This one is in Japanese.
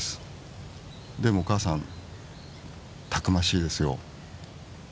でもお母さんたくましいですよ。